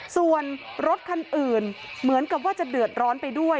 ส่วนรถคันอื่นเหมือนกับว่าจะเดือดร้อนไปด้วย